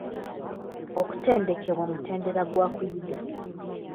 Okutendekebwa mutendera gwa kuyiga.